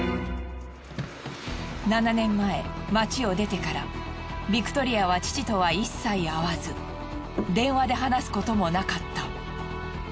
７年前町を出てからビクトリアは父とは一切会わず電話で話すこともなかった。